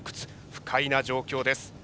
不快な状況です。